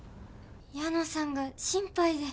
矢野さんが心配で。